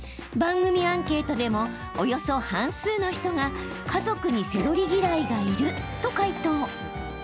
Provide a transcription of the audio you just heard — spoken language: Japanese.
番組アンケートでもおよそ半数の人が家族にセロリ嫌いがいると回答。